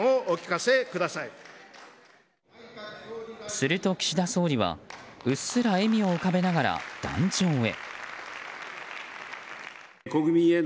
すると岸田総理は、うっすら笑みを浮かべながら壇上へ。